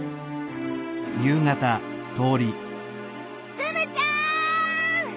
ツムちゃん！